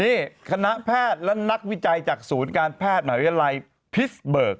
นี่คณะแพทย์และนักวิจัยจากศูนย์การแพทย์มหาวิทยาลัยพิสเบิก